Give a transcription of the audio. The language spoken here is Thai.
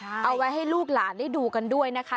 เอาไว้ให้ลูกหลานได้ดูกันด้วยนะคะ